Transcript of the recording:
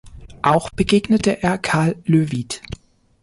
Auch begegnete er Karl Löwith.